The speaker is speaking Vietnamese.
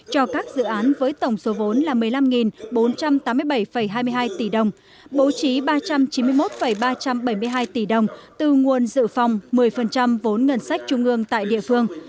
cho các dự án với tổng số vốn là một mươi năm bốn trăm tám mươi bảy hai mươi hai tỷ đồng bố trí ba trăm chín mươi một ba trăm bảy mươi hai tỷ đồng từ nguồn dự phòng một mươi vốn ngân sách trung ương tại địa phương